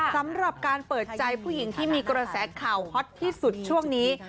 สำหรับการเปิดใจผู้หญิงที่มีกระแสข่าวฮอตที่สุดช่วงนี้